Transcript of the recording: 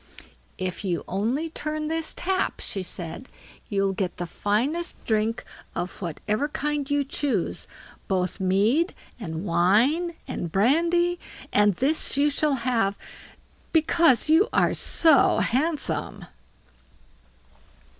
"If you only turn this tap", she said; "you'll get the finest drink of whatever kind you choose, both mead, and wine, and brandy; and this you shall have because you are so handsome."